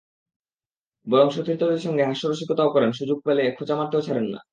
বরং সতীর্থদের সঙ্গে হাস্য-রসিকতাও করেন, সুযোগ পেলে খোঁচা মারতেও ছাড়েন না।